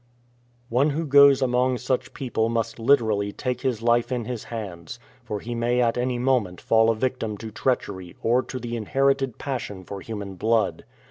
One who goes among such people must literally take his life in his hands, for he may at any moment fall a victim to treachery or to the inherited passion for human blood.